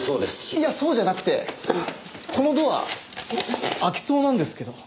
いやそうじゃなくてこのドア開きそうなんですけど。